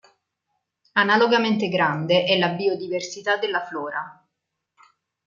Analogamente grande è la biodiversità della flora.